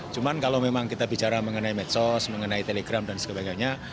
cuma kalau memang kita bicara mengenai medsos mengenai telegram dan sebagainya